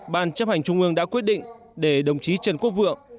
ban chấp hành trung ương đã quyết định để đồng chí trần quốc vượng